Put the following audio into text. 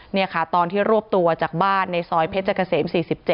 นี่ค่ะตอนที่รวบตัวจากบ้านในซอยเพชรเกษม๔๗